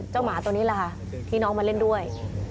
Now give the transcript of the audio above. หมาตัวนี้แหละค่ะที่น้องมาเล่นด้วย